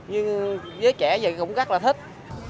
nhưng với trẻ vậy cũng rất là thích